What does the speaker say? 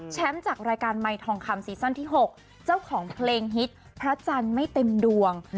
จากรายการไมค์ทองคำซีซั่นที่๖เจ้าของเพลงฮิตพระจันทร์ไม่เต็มดวง